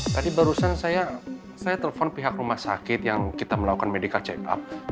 tadi barusan saya saya telepon pihak rumah sakit yang kita melakukan medical check up